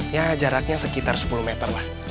ya jaraknya sekitar sepuluh meter lah